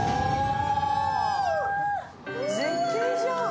絶景じゃん。